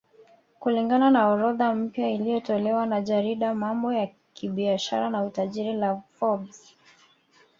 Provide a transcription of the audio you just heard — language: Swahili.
Kulingana orodha mpya iliyotolewa na jarida mambo ya kibiashara na utajiri la Forbes